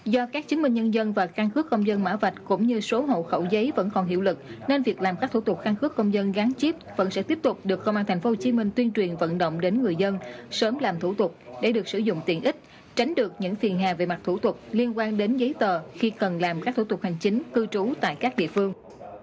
do các chứng minh nhân dân và căn cứ công dân mã vạch cũng như số hộ khẩu giấy vẫn còn hiệu lực nên việc làm các thủ tục căn cước công dân gắn chip vẫn sẽ tiếp tục được công an tp hcm tuyên truyền vận động đến người dân sớm làm thủ tục để được sử dụng tiện ích tránh được những phiền hà về mặt thủ tục liên quan đến giấy tờ khi cần làm các thủ tục hành chính cư trú tại các địa phương